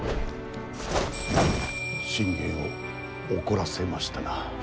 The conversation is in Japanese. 信玄を怒らせましたな。